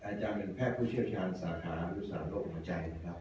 อาจารย์เป็นแพทย์ผู้เชี่ยวชาญสาขาอุตสาหรบหัวใจนะครับ